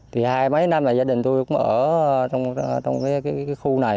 thì hai mấy năm là gia đình tôi cũng ở trong cái khu này